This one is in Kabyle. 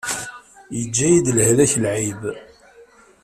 Yeǧǧa-yi-d lehlak lɛib.